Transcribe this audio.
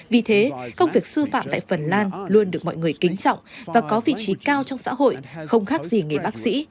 vì thế công việc sư phạm tại phần lan luôn được mọi người kính trọng và có vị trí cao trong xã hội không khác gì nghề bác sĩ